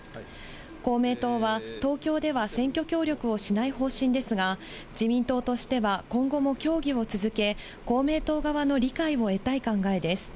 公明党は東京では選挙協力をしない方針ですが、自民党としては今後も協議を続け、公明党側の理解を得たい考えです。